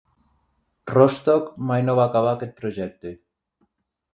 Rostock mai no va acabar aquest projecte.